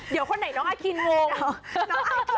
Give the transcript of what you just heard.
เดี๋ยวคนไหนน้องอาคินงง